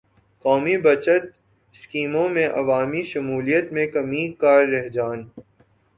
قومی بچت اسکیموں میں عوامی شمولیت میں کمی کا رحجان